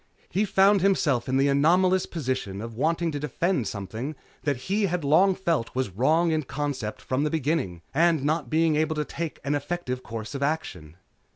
He found himself in the anomalous position of wanting to defend something that he had long felt was wrong in concept from the beginning and not being able to take an effective course of action.